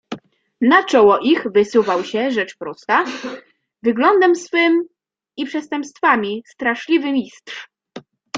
"Na czoło ich wysuwał się, rzecz prosta, wyglądem swoim i przestępstwami straszliwy Mistrz."